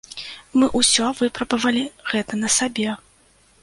Мы ўсё выпрабавалі гэта на сабе.